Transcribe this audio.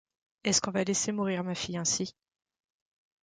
Est-ce qu’on va laisser mourir ma fille ainsi ?